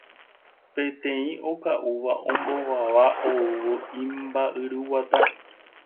Peteĩ oka'úva ombovava oúvo imba'yruguata.